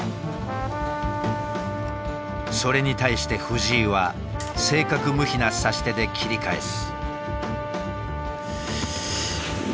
それに対して藤井は正確無比な指し手で切り返す。